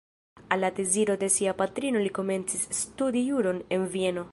Al la deziro de sia patrino li komencis studi juron en Vieno.